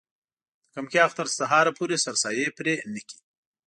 د کمکي اختر تر سهاره پورې سرسایې پرې نه کړي.